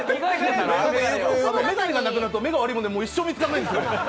眼鏡がなくなると目が悪いもので一生見つからないんですよ。